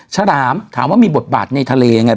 ฉลามถามว่ามีบทบาทในทะเลยังไง